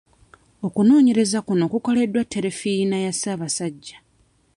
Okunoonyereza kuno kukoleddwa terefiyina ya Ssaabasajja.